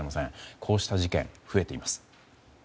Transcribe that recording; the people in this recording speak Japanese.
こうした事件、増えています。